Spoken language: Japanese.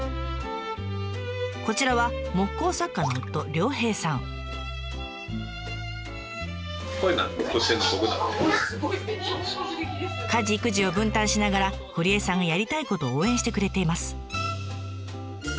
こちらは木工作家の家事育児を分担しながら堀江さんがやりたいことを応援してくれています。